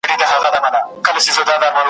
شمعي ته څه مه وایه! `